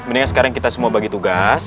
mendingan sekarang kita semua bagi tugas